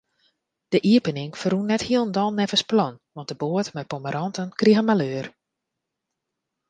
De iepening ferrûn net hielendal neffens plan, want de boat mei pommeranten krige maleur.